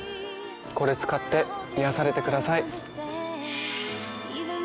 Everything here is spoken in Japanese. これ使って癒やされてください。